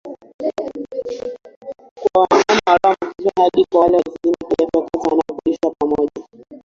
kwa wanyama walioambukizwa hadi kwa wale wazima kiafya wakati wanapolishwa pamoja